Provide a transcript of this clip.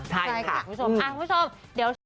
ใช่ค่ะคุณผู้ชมคุณผู้ชมเดี๋ยว